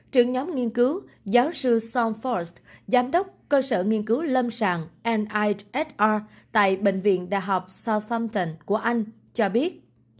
trưởng nhóm nghiên cứu giáo sư sean forrest giám đốc cơ sở nghiên cứu lâm sàng nihr tại bệnh viện đại học southampton của anh cho biết